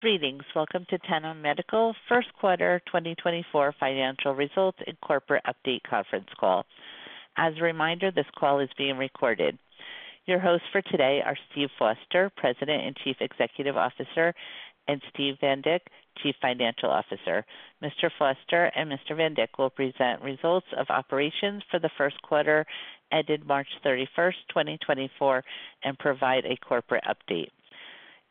Greetings. Welcome to Tenon Medical first quarter 2024 financial results and corporate update conference call. As a reminder, this call is being recorded. Your hosts for today are Steve Foster, President and Chief Executive Officer, and Steve Van Dick, Chief Financial Officer. Mr. Foster and Mr. Van Dick will present results of operations for the first quarter ended March 31st, 2024, and provide a corporate update.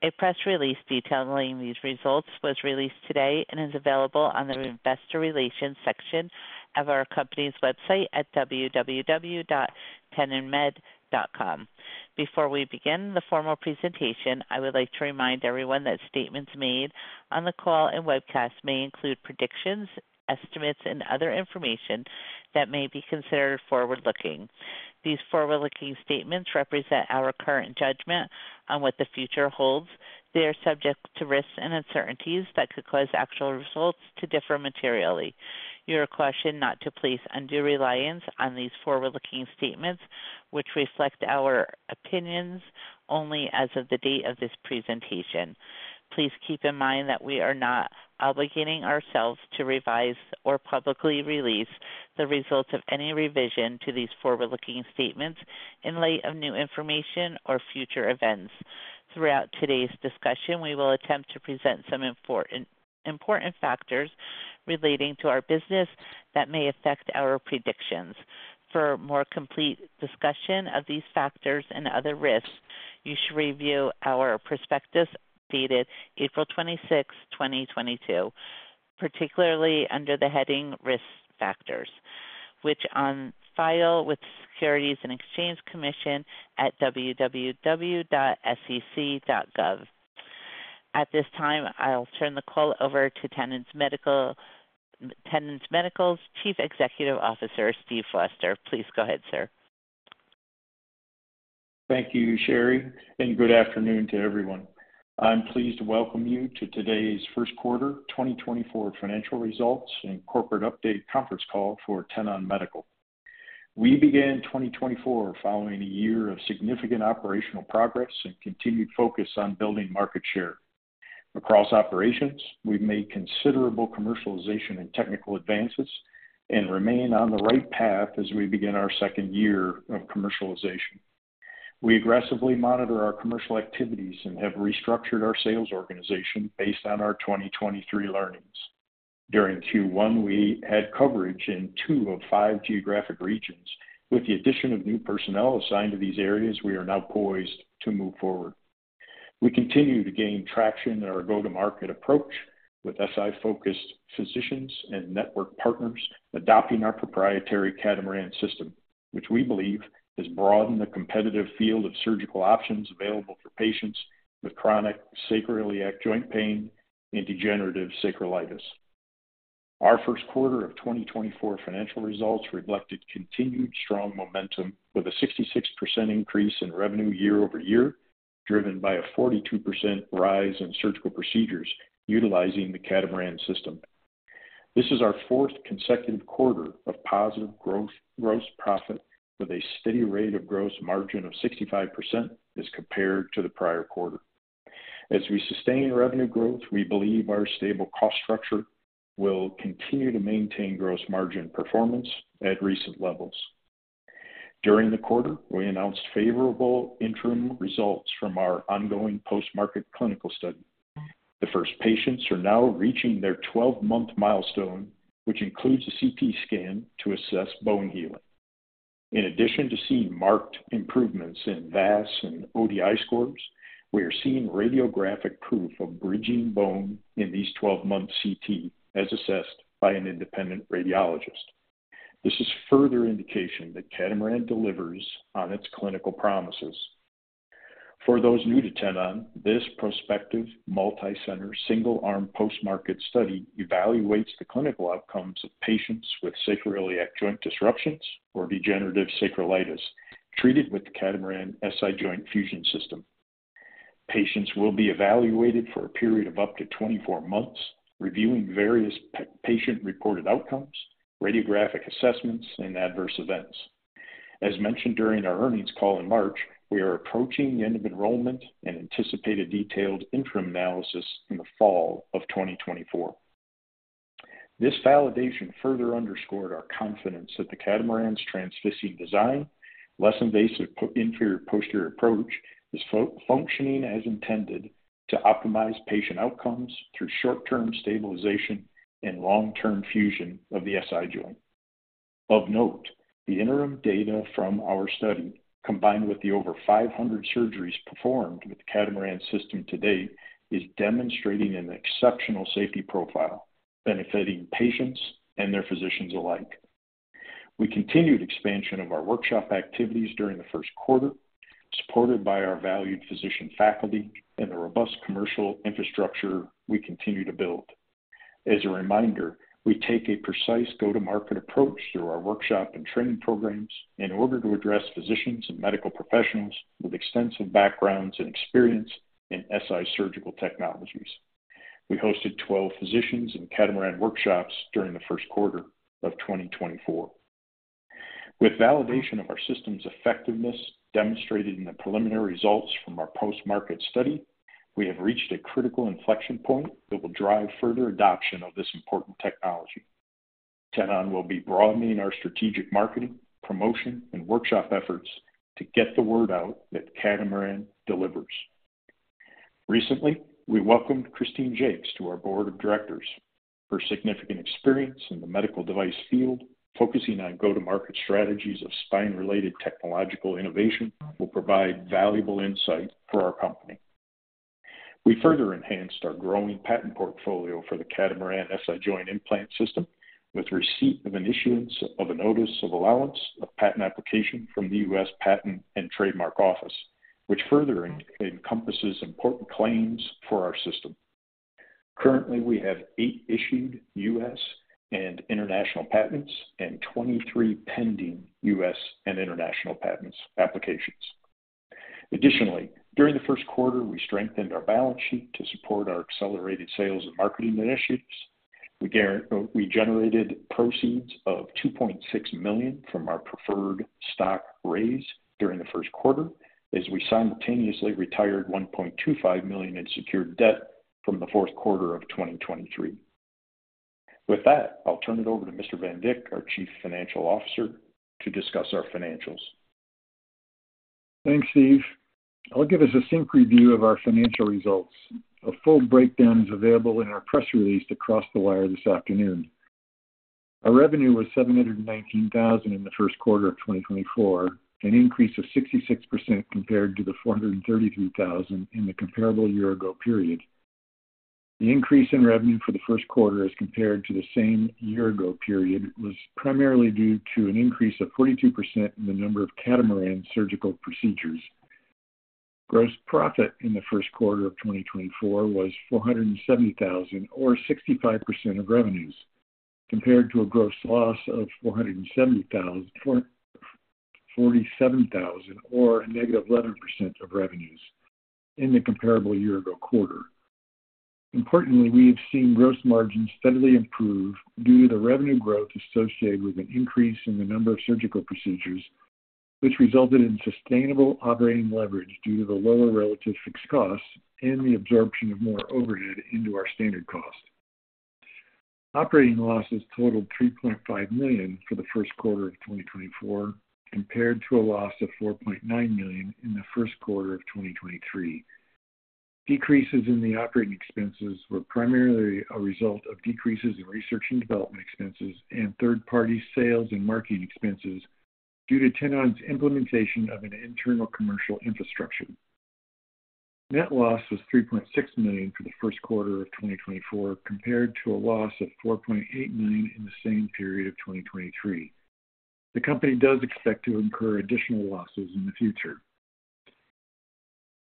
A press release detailing these results was released today and is available on the Investor Relations section of our company's website at www.tenonmed.com. Before we begin the formal presentation, I would like to remind everyone that statements made on the call and webcast may include predictions, estimates, and other information that may be considered forward-looking. These forward-looking statements represent our current judgment on what the future holds. They are subject to risks and uncertainties that could cause actual results to differ materially. Your request is not to place undue reliance on these forward-looking statements, which reflect our opinions only as of the date of this presentation. Please keep in mind that we are not obligating ourselves to revise or publicly release the results of any revision to these forward-looking statements in light of new information or future events. Throughout today's discussion, we will attempt to present some important factors relating to our business that may affect our predictions. For a more complete discussion of these factors and other risks, you should review our prospectus dated April 26th, 2022, particularly under the heading Risk Factors, which is on file with the Securities and Exchange Commission at www.sec.gov. At this time, I'll turn the call over to Tenon Medical's Chief Executive Officer, Steve Foster. Please go ahead, sir. Thank you, Sherri, and good afternoon to everyone. I'm pleased to welcome you to today's first quarter 2024 financial results and corporate update conference call for Tenon Medical. We began 2024 following a year of significant operational progress and continued focus on building market share. Across operations, we've made considerable commercialization and technical advances and remain on the right path as we begin our second year of commercialization. We aggressively monitor our commercial activities and have restructured our sales organization based on our 2023 learnings. During Q1, we had coverage in two of five geographic regions. With the addition of new personnel assigned to these areas, we are now poised to move forward. We continue to gain traction in our go-to-market approach with SI-focused physicians and network partners adopting our proprietary Catamaran system, which we believe has broadened the competitive field of surgical options available for patients with chronic sacroiliac joint pain and degenerative sacroiliitis. Our first quarter of 2024 financial results reflected continued strong momentum with a 66% increase in revenue year-over-year, driven by a 42% rise in surgical procedures utilizing the Catamaran system. This is our fourth consecutive quarter of positive gross profit, with a steady rate of gross margin of 65% as compared to the prior quarter. As we sustain revenue growth, we believe our stable cost structure will continue to maintain gross margin performance at recent levels. During the quarter, we announced favorable interim results from our ongoing post-market clinical study. The first patients are now reaching their 12-month milestone, which includes a CT scan to assess bone healing. In addition to seeing marked improvements in VAS and ODI scores, we are seeing radiographic proof of bridging bone in these 12-month CTs as assessed by an independent radiologist. This is further indication that Catamaran delivers on its clinical promises. For those new to Tenon, this prospective multi-center single-arm post-market study evaluates the clinical outcomes of patients with sacroiliac joint disruptions or degenerative sacroiliitis treated with the Catamaran SI joint fusion system. Patients will be evaluated for a period of up to 24 months, reviewing various patient-reported outcomes, radiographic assessments, and adverse events. As mentioned during our earnings call in March, we are approaching the end of enrollment and anticipate a detailed interim analysis in the fall of 2024. This validation further underscored our confidence that the Catamaran's transfixing design, less invasive inferior posterior approach, is functioning as intended to optimize patient outcomes through short-term stabilization and long-term fusion of the SI joint. Of note, the interim data from our study, combined with the over 500 surgeries performed with the Catamaran system to date, is demonstrating an exceptional safety profile, benefiting patients and their physicians alike. We continued expansion of our workshop activities during the first quarter, supported by our valued physician faculty and the robust commercial infrastructure we continue to build. As a reminder, we take a precise go-to-market approach through our workshop and training programs in order to address physicians and medical professionals with extensive backgrounds and experience in SI surgical technologies. We hosted 12 physicians and Catamaran workshops during the first quarter of 2024. With validation of our system's effectiveness demonstrated in the preliminary results from our post-market study, we have reached a critical inflection point that will drive further adoption of this important technology. Tenon will be broadening our strategic marketing, promotion, and workshop efforts to get the word out that Catamaran delivers. Recently, we welcomed Kristine Jacques to our board of directors. Her significant experience in the medical device field focusing on go-to-market strategies of spine-related technological innovation will provide valuable insight for our company. We further enhanced our growing patent portfolio for the Catamaran SI joint implant system with receipt of an issuance of a notice of allowance of patent application from the U.S. Patent and Trademark Office, which further encompasses important claims for our system. Currently, we have eight issued U.S. and international patents and 23 pending U.S. and international patents applications. Additionally, during the first quarter, we strengthened our balance sheet to support our accelerated sales and marketing initiatives. We generated proceeds of $2.6 million from our preferred stock raise during the first quarter as we simultaneously retired $1.25 million in secured debt from the fourth quarter of 2023. With that, I'll turn it over to Mr. Van Dick, our Chief Financial Officer, to discuss our financials. Thanks, Steve. I'll give us a quick review of our financial results. A full breakdown is available in our press release to cross the wire this afternoon. Our revenue was $719,000 in the first quarter of 2024, an increase of 66% compared to the $433,000 in the comparable year-ago period. The increase in revenue for the first quarter as compared to the same year-ago period was primarily due to an increase of 42% in the number of Catamaran surgical procedures. Gross profit in the first quarter of 2024 was $470,000, or 65% of revenues, compared to a gross loss of $47,000, or -11% of revenues in the comparable year-ago quarter. Importantly, we have seen gross margins steadily improve due to the revenue growth associated with an increase in the number of surgical procedures, which resulted in sustainable operating leverage due to the lower relative fixed costs and the absorption of more overhead into our standard cost. Operating losses totaled $3.5 million for the first quarter of 2024, compared to a loss of $4.9 million in the first quarter of 2023. Decreases in the operating expenses were primarily a result of decreases in research and development expenses and third-party sales and marketing expenses due to Tenon's implementation of an internal commercial infrastructure. Net loss was $3.6 million for the first quarter of 2024, compared to a loss of $4.8 million in the same period of 2023. The company does expect to incur additional losses in the future.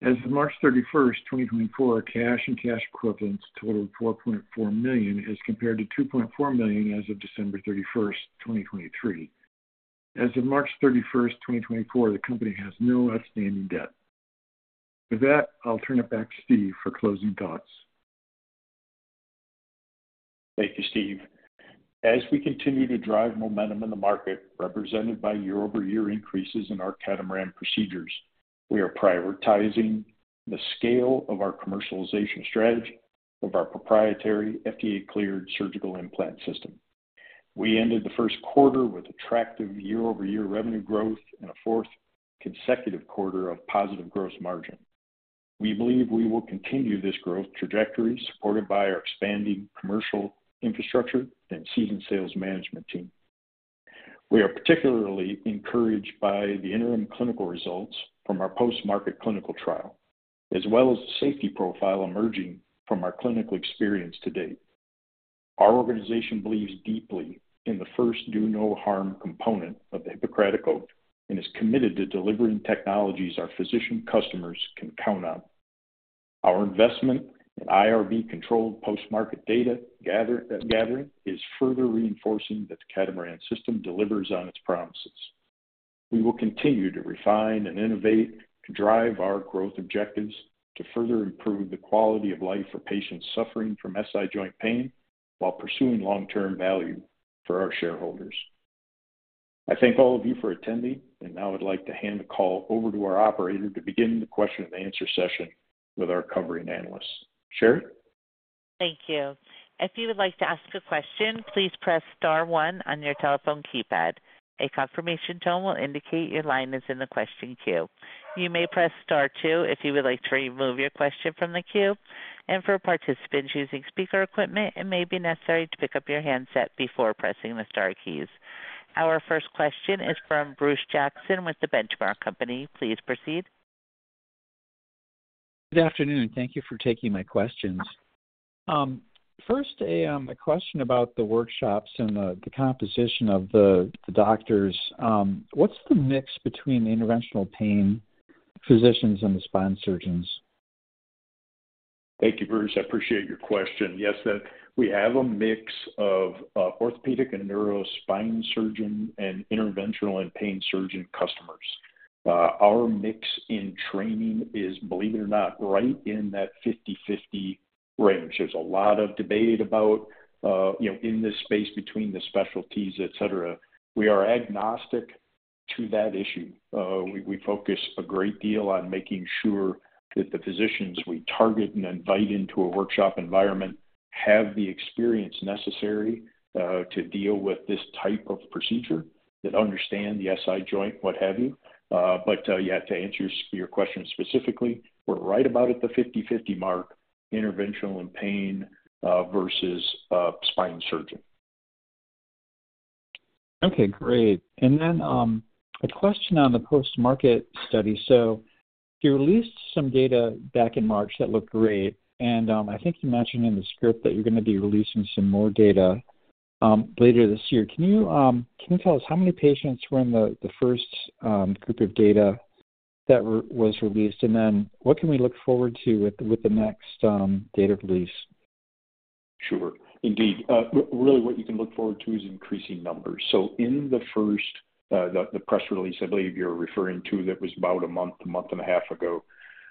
As of March 31, 2024, cash and cash equivalents totaled $4.4 million as compared to $2.4 million as of December 31st, 2023. As of March 31st, 2024, the company has no outstanding debt. With that, I'll turn it back to Steve for closing thoughts. Thank you, Steve. As we continue to drive momentum in the market represented by year-over-year increases in our Catamaran procedures, we are prioritizing the scale of our commercialization strategy of our proprietary FDA-cleared surgical implant system. We ended the first quarter with attractive year-over-year revenue growth and a fourth consecutive quarter of positive gross margin. We believe we will continue this growth trajectory supported by our expanding commercial infrastructure and seasoned sales management team. We are particularly encouraged by the interim clinical results from our post-market clinical trial, as well as the safety profile emerging from our clinical experience to date. Our organization believes deeply in the first do-no-harm component of the Hippocratic Oath and is committed to delivering technologies our physician customers can count on. Our investment in IRB-controlled post-market data gathering is further reinforcing that the Catamaran system delivers on its promises. We will continue to refine and innovate to drive our growth objectives to further improve the quality of life for patients suffering from SI joint pain while pursuing long-term value for our shareholders. I thank all of you for attending, and now I'd like to hand the call over to our operator to begin the question-and-answer session with our covering analyst. Sherri? Thank you. If you would like to ask a question, please press star one on your telephone keypad. A confirmation tone will indicate your line is in the question queue. You may press star two if you would like to remove your question from the queue. And for participants using speaker equipment, it may be necessary to pick up your handset before pressing the star keys. Our first question is from Bruce Jackson with The Benchmark Company. Please proceed. Good afternoon. Thank you for taking my questions. First, a question about the workshops and the composition of the doctors. What's the mix between interventional pain physicians and the spine surgeons? Thank you, Bruce. I appreciate your question. Yes, we have a mix of orthopedic and neurospine surgeon and interventional and pain surgeon customers. Our mix in training is, believe it or not, right in that 50/50 range. There's a lot of debate about, in this space between the specialties, etc. We are agnostic to that issue. We focus a great deal on making sure that the physicians we target and invite into a workshop environment have the experience necessary to deal with this type of procedure, that understand the SI joint, what have you. But yeah, to answer your question specifically, we're right about at the 50/50 mark, interventional and pain versus spine surgeon. Okay, great. A question on the post-market study. You released some data back in March that looked great, and I think you mentioned in the script that you're going to be releasing some more data later this year. Can you tell us how many patients were in the first group of data that was released, and then what can we look forward to with the next data release? Sure. Indeed. Really, what you can look forward to is increasing numbers. So in the first press release, I believe you're referring to, that was about a month, a month and a half ago,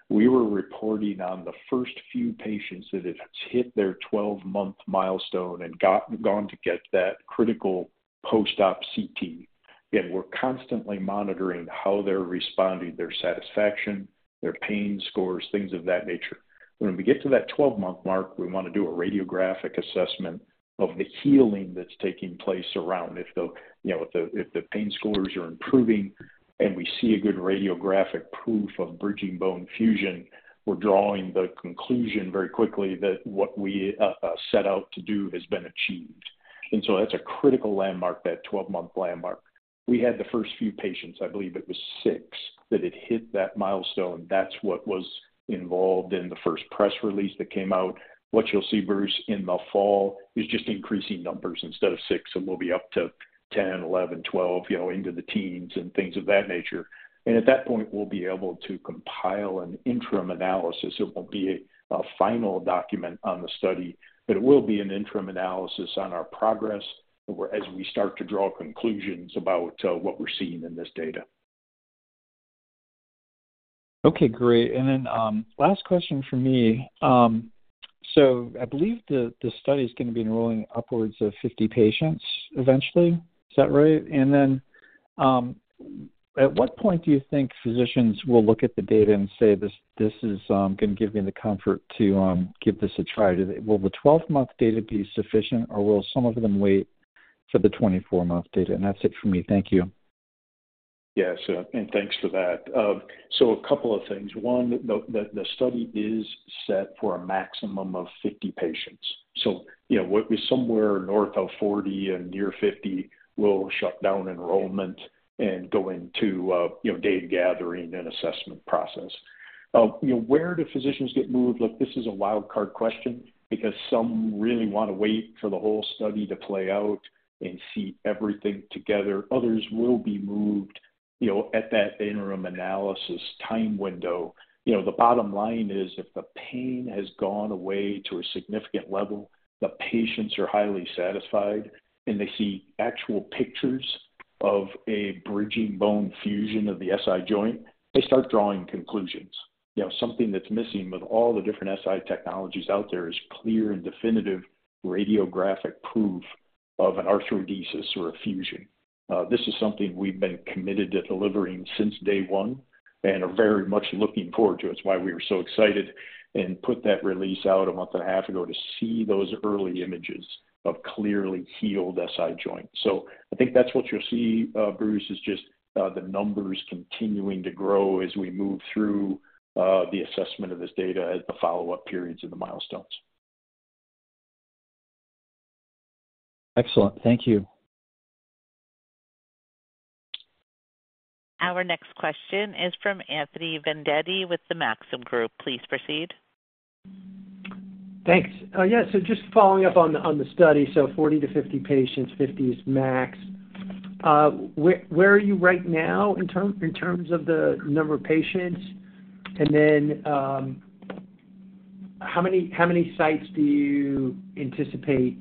we were reporting on the first few patients that had hit their 12-month milestone and gone to get that critical post-op CT. Again, we're constantly monitoring how they're responding, their satisfaction, their pain scores, things of that nature. When we get to that 12-month mark, we want to do a radiographic assessment of the healing that's taking place around. If the pain scores are improving and we see a good radiographic proof of bridging bone fusion, we're drawing the conclusion very quickly that what we set out to do has been achieved. And so that's a critical landmark, that 12-month landmark. We had the first few patients, I believe it was six, that had hit that milestone. That's what was involved in the first press release that came out. What you'll see, Bruce, in the fall is just increasing numbers instead of six, and we'll be up to 10, 11, 12, into the teens, and things of that nature. At that point, we'll be able to compile an interim analysis. It won't be a final document on the study, but it will be an interim analysis on our progress as we start to draw conclusions about what we're seeing in this data. Okay, great. And then last question for me. So I believe the study is going to be enrolling upwards of 50 patients eventually. Is that right? And then at what point do you think physicians will look at the data and say, "This is going to give me the comfort to give this a try"? Will the 12-month data be sufficient, or will some of them wait for the 24-month data? And that's it from me. Thank you. Yes, and thanks for that. So a couple of things. One, the study is set for a maximum of 50 patients. So somewhere north of 40 and near 50 will shut down enrollment and go into data gathering and assessment process. Where do physicians get moved? This is a wildcard question because some really want to wait for the whole study to play out and see everything together. Others will be moved at that interim analysis time window. The bottom line is if the pain has gone away to a significant level, the patients are highly satisfied, and they see actual pictures of a bridging bone fusion of the SI joint, they start drawing conclusions. Something that's missing with all the different SI technologies out there is clear and definitive radiographic proof of an arthrodesis or a fusion. This is something we've been committed to delivering since day one and are very much looking forward to. It's why we were so excited and put that release out a month and a half ago to see those early images of clearly healed SI joints. So I think that's what you'll see, Bruce, is just the numbers continuing to grow as we move through the assessment of this data at the follow-up periods and the milestones. Excellent. Thank you. Our next question is from Anthony Vendetti with the Maxim Group. Please proceed. Thanks. Yeah, so just following up on the study. So 40 patients-50 patients, 50 is max. Where are you right now in terms of the number of patients? And then how many sites do you anticipate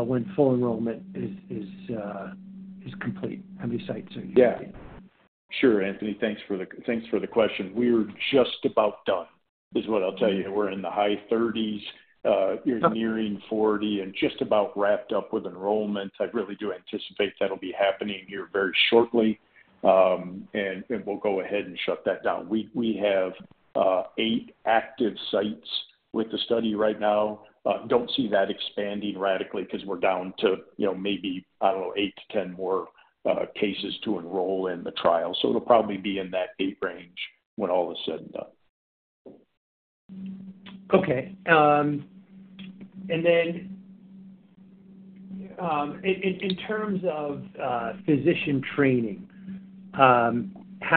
when full enrollment is complete? How many sites are you? Yeah. Sure, Anthony. Thanks for the question. We're just about done, is what I'll tell you. We're in the high 30s. We're nearing 40 and just about wrapped up with enrollment. I really do anticipate that'll be happening here very shortly, and we'll go ahead and shut that down. We have eight active sites with the study right now. Don't see that expanding radically because we're down to maybe, I don't know, 8-10 more cases to enroll in the trial. So it'll probably be in that eight range when all is said and done. Okay. And then in terms of physician training, how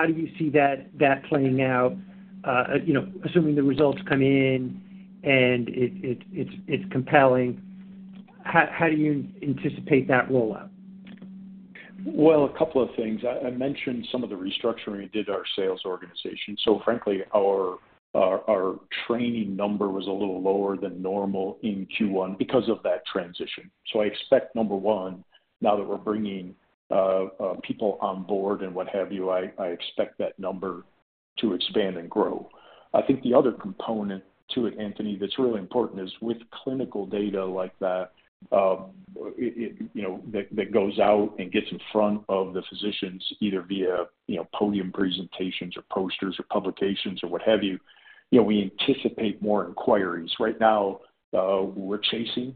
do you see that playing out? Assuming the results come in and it's compelling, how do you anticipate that rollout? Well, a couple of things. I mentioned some of the restructuring we did our sales organization. So frankly, our training number was a little lower than normal in Q1 because of that transition. So I expect, number one, now that we're bringing people on board and what have you, I expect that number to expand and grow. I think the other component to it, Anthony, that's really important is with clinical data like that that goes out and gets in front of the physicians either via podium presentations or posters or publications or what have you, we anticipate more inquiries. Right now, we're chasing,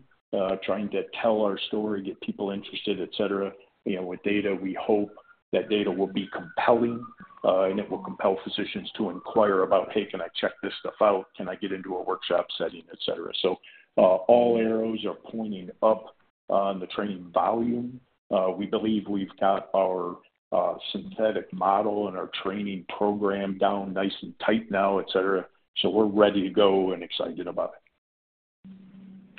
trying to tell our story, get people interested, etc. With data, we hope that data will be compelling, and it will compel physicians to inquire about, "Hey, can I check this stuff out? Can I get into a workshop setting?" etc. All arrows are pointing up on the training volume. We believe we've got our synthetic model and our training program down nice and tight now, etc. We're ready to go and excited about it.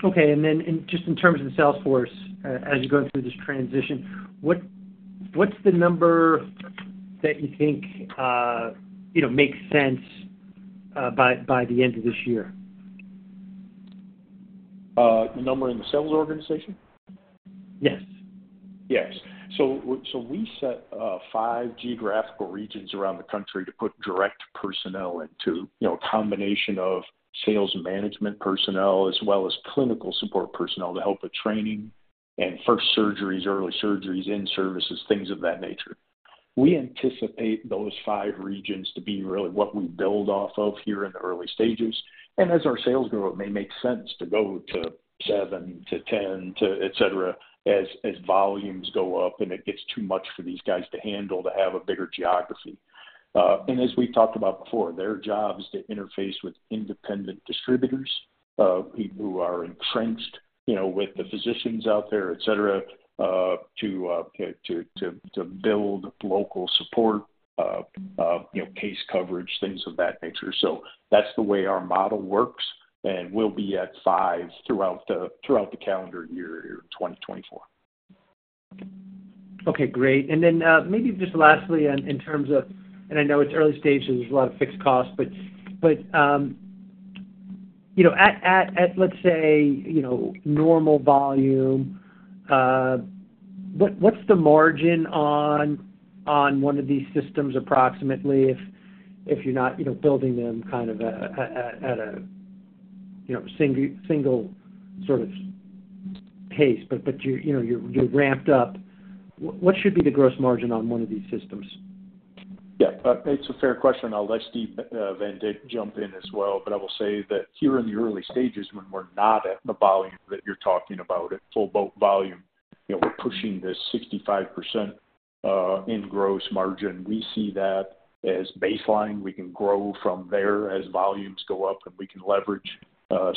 Okay. And then just in terms of sales force, as you're going through this transition, what's the number that you think makes sense by the end of this year? The number in the sales organization? Yes. Yes. So we set five geographical regions around the country to put direct personnel into, a combination of sales management personnel as well as clinical support personnel to help with training and first surgeries, early surgeries, in-services, things of that nature. We anticipate those five regions to be really what we build off of here in the early stages. As our sales grow, it may make sense to go to seven to 10 to, etc., as volumes go up and it gets too much for these guys to handle to have a bigger geography. As we've talked about before, their job is to interface with independent distributors who are entrenched with the physicians out there, etc., to build local support, case coverage, things of that nature. That's the way our model works, and we'll be at five throughout the calendar year here in 2024. Okay, great. And then maybe just lastly, in terms of and I know it's early stages, there's a lot of fixed costs, but at, let's say, normal volume, what's the margin on one of these systems approximately if you're not building them kind of at a single sort of pace, but you're ramped up? What should be the gross margin on one of these systems? Yeah, it's a fair question. I'll let Steve Van Dick jump in as well. But I will say that here in the early stages, when we're not at the volume that you're talking about, at full-boat volume, we're pushing this 65% in gross margin. We see that as baseline. We can grow from there as volumes go up, and we can leverage.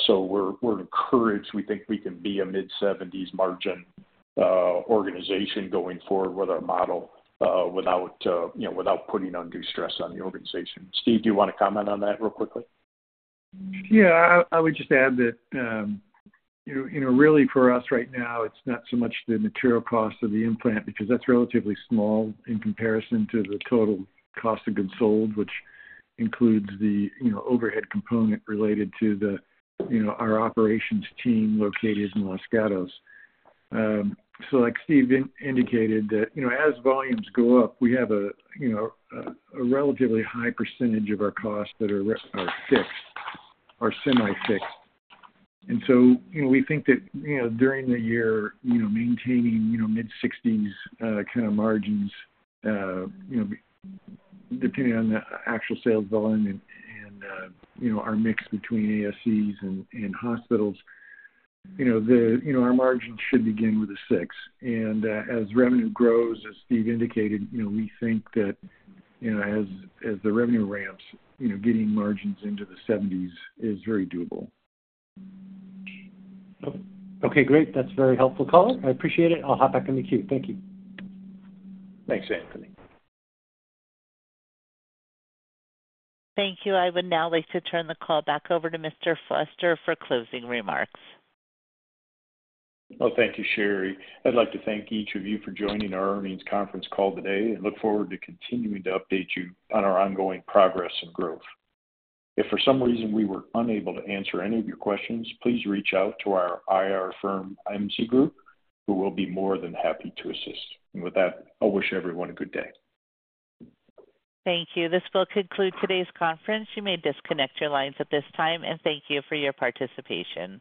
So we're encouraged. We think we can be a mid-70%s margin organization going forward with our model without putting undue stress on the organization. Steve, do you want to comment on that real quickly? Yeah. I would just add that really, for us right now, it's not so much the material cost of the implant because that's relatively small in comparison to the total cost of goods sold, which includes the overhead component related to our operations team located in Los Gatos. So like Steve indicated, that as volumes go up, we have a relatively high percentage of our costs that are fixed or semi-fixed. And so we think that during the year, maintaining mid-60s kind of margins, depending on the actual sales volume and our mix between ASCs and hospitals, our margins should begin with a six. And as revenue grows, as Steve indicated, we think that as the revenue ramps, getting margins into the 70s is very doable. Okay, great. That's very helpful, color. I appreciate it. I'll hop back in the queue. Thank you. Thanks, Anthony. Thank you. I would now like to turn the call back over to Mr. Foster for closing remarks. Well, thank you, Sherri. I'd like to thank each of you for joining our earnings conference call today and look forward to continuing to update you on our ongoing progress and growth. If for some reason we were unable to answer any of your questions, please reach out to our IR firm MZ Group, who will be more than happy to assist. And with that, I'll wish everyone a good day. Thank you. This will conclude today's conference. You may disconnect your lines at this time, and thank you for your participation.